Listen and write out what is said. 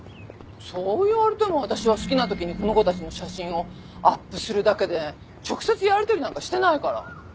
そう言われても私は好きな時にこの子たちの写真をアップするだけで直接やりとりなんかしてないから。